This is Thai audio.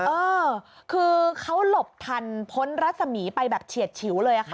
เออคือเขาหลบทันพ้นรัศมีร์ไปแบบเฉียดฉิวเลยค่ะ